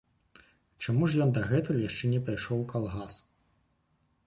Чаму ж ён дагэтуль яшчэ не пайшоў у калгас?